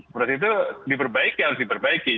proses itu diperbaiki harus diperbaiki